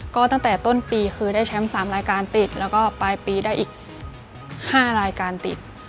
ก็ตั้งแต่ต้นปีคือได้แชมป์๓รายการติดแล้วก็ปลายปีได้อีก๕รายการติด